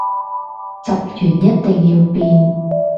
集團一定要變